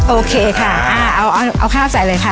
โอเคค่ะอ่าเอาเอาข้าวใส่เลยค่ะ